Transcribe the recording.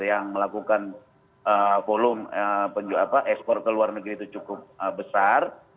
yang melakukan volume ekspor ke luar negeri itu cukup besar